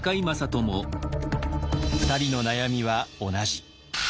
２人の悩みは同じ。